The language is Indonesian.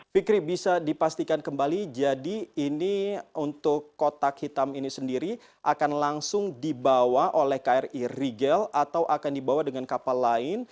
fikri bisa dipastikan kembali jadi ini untuk kotak hitam ini sendiri akan langsung dibawa oleh kri rigel atau akan dibawa dengan kapal lain